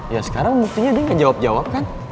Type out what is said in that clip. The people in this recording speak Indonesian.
ya sekarang buktinya dia gak jawab jawab kan